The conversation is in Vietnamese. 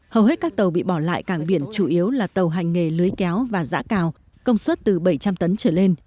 hầu hết các tàu bị bỏ lại cảng biển chủ yếu là tàu hành nghề lưới kéo và giã cào công suất từ bảy trăm linh tấn trở lên